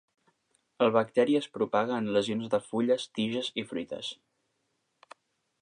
El bacteri es propaga en lesions de fulles, tiges i fruites.